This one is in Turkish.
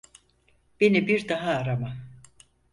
Beni bir daha arama.